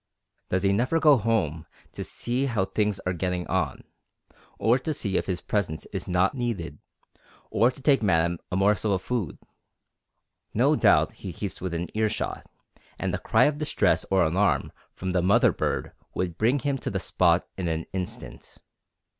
Does he never go home to see how things are getting on, or to see if his presence is not needed, or to take madam a morsel of food? No doubt he keeps within earshot, and a cry of distress or alarm from the mother bird would bring him to the spot in an instant.